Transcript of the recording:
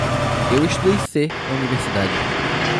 Eu estudei C na universidade.